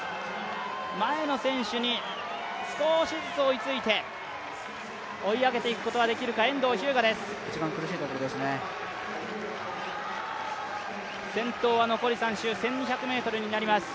前の選手に少しずつ追いついて、追い上げていくことはできるか遠藤日向です。